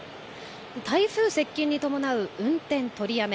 台風接近に伴う運転取りやめ。